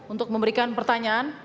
untuk memberikan pertanyaan